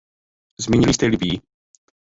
Zmínili jste Libyi.